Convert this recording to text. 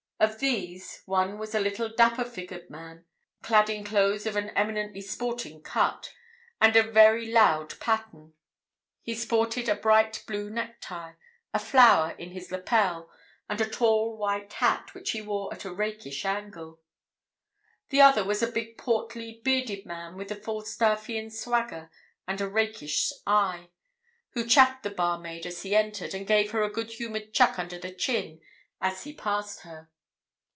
Of these, one was a little, dapper figured man, clad in clothes of an eminently sporting cut, and of very loud pattern; he sported a bright blue necktie, a flower in his lapel, and a tall white hat, which he wore at a rakish angle. The other was a big, portly, bearded man with a Falstaffian swagger and a rakish eye, who chaffed the barmaid as he entered, and gave her a good humoured chuck under the chin as he passed her.